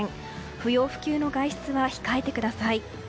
不要不急の外出は控えてください。